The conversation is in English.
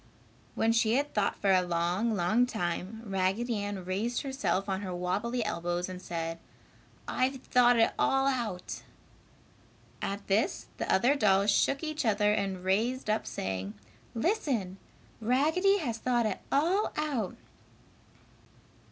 When she had thought for a long, long time, Raggedy Ann raised herself on her wabbly elbows and said, "I've thought it all out." At this the other dolls shook each other and raised up saying, "Listen! Raggedy has thought it all out!"